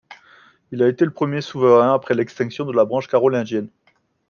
Il a été le premier souverain après l'extinction de la branche carolingienne.